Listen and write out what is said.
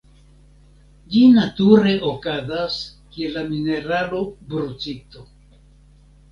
Ĝi nature okazas kiel la mineralo brucito.